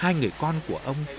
hai người con của ông